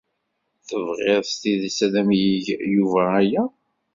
Tebɣiḍ s tidet ad am-yeg Yuba aya?